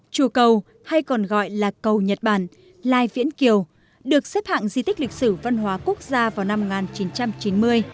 chùa cầu hay còn gọi là cầu nhật bản lai viễn kiều được xếp hạng di tích lịch sử văn hóa quốc gia vào năm một nghìn chín trăm chín mươi